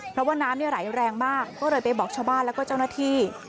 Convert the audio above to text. เพราะว่าน้ำไหลแรงมากก็เลยไปบอกชาวบ้านแล้วก็เจ้าหน้าที่